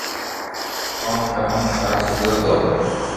ڪوم ڪروا ھون ڪراچي گيو تو